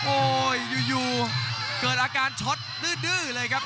โอ้โหอยู่เกิดอาการช็อตดื้อเลยครับ